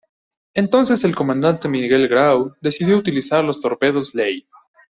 Entonces el comandante Miguel Grau decidió utilizar los torpedos "Lay".